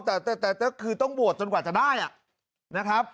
แต่ก็คือต้องโหวตจนกว่าจะได้นะครับ